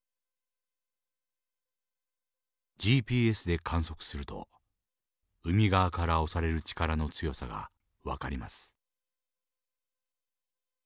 ＧＰＳで観測すると海側から押される力の強さが分かります。